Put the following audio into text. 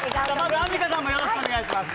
アンミカさんもよろしくお願いします。